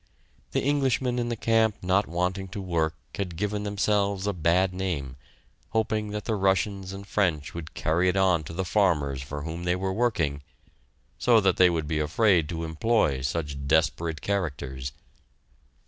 The Englishmen in the camp not wanting to work had given themselves a bad name, hoping that the Russians and French would carry it on to the farmers for whom they were working, so that they would be afraid to employ such desperate characters.